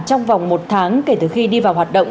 trong vòng một tháng kể từ khi đi vào hoạt động